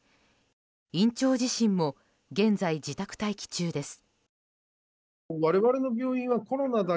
院長自身も現在、自宅待機中です。